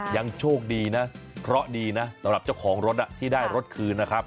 ยังโชคดีนะเคราะห์ดีนะสำหรับเจ้าของรถที่ได้รถคืนนะครับ